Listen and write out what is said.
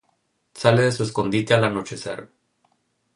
Sale de su escondite al anochecer.